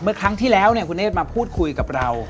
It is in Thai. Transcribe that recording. ครั้งที่แล้วคุณเนธมาพูดคุยกับเรา